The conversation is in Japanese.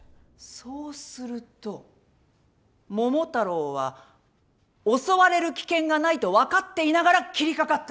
そうすると桃太郎は襲われる危険がないと分かっていながら斬りかかった。